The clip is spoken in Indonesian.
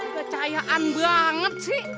kecayaan banget sih